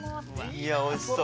いやおいしそう。